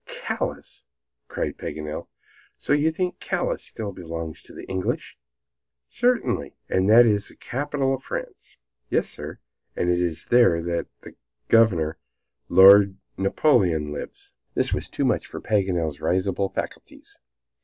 "Calais!" cried Paganel. "So you think Calais still belongs to the English?" "Certainly." "And that it is the capital of France?" "Yes, sir; and it is there that the Governor, Lord Napo leon, lives." This was too much for Paganel's risible faculties.